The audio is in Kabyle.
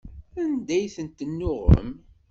Anda ay tent-tennuɣem?